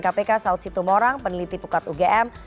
kpk saud sito morang peneliti pukat ugm